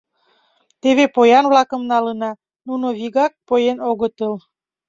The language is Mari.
Теве поян-влакым налына, нуно вигак поен огытыл.